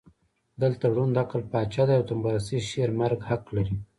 دلته ړوند عقل پاچا دی او د وطنپرستۍ شعر مرګ حق لري.